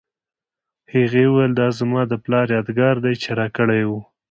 هغې وویل دا زما د پلار یادګار دی چې راکړی یې و